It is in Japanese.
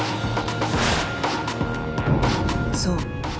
［そう。